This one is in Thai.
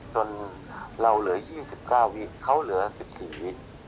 จนเราเหลือยี่สิบเก้าวินเขาเหลือสิบสี่วิน